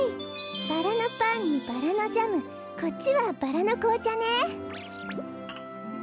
バラのパンにバラのジャムこっちはバラのこうちゃね。